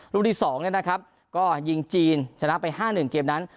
ลูกที่๒เนี่ยนะครับก็ยิงจีนชนะไป๕๑เกมนั้น